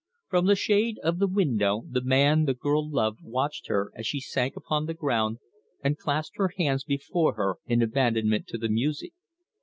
From the shade of the window the man the girl loved watched her as she sank upon the ground and clasped her hands before her in abandonment to the music.